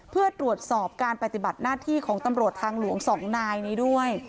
เพื่อตรวจสอบการปฏิบัติหน้าที่ของตำรวจทางหลวง๒นายนี้ด้วย